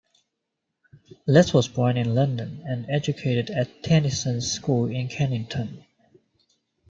Letts was born in London, and educated at Tenison's School in Kennington.